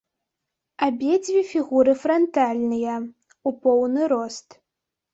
Абедзве фігуры франтальныя, у поўны рост.